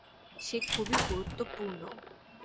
সে খুবই গুরুত্বপূর্ণ।